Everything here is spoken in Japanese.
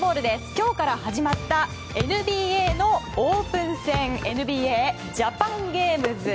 今日から始まったＮＢＡのオープン戦ＮＢＡジャパンゲームズ。